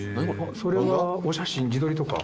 それはお写真自撮りとか？